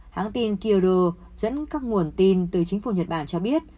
hãng tin kyodo dẫn các nguồn tin từ chính phủ nhật bản cho biết